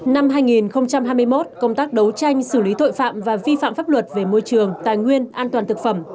năm hai nghìn hai mươi một công tác đấu tranh xử lý tội phạm và vi phạm pháp luật về môi trường tài nguyên an toàn thực phẩm